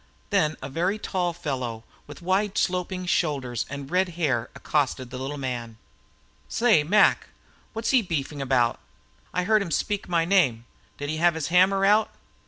Then a very tall fellow with wide, sloping shoulders and red hair accosted the little man. "Say Mac, what was he beefing about? I heard him speak my name. Did he have his hammer out?"